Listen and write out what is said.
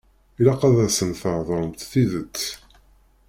Ilaq ad asen-theḍṛemt tidet.